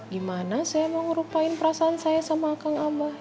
gimana saya mau ngerupain perasaan saya sama kang abah